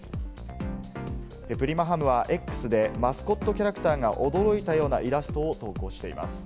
プリマハムはＸで、マスコットキャラクターが驚いたようなイラストを投稿しています。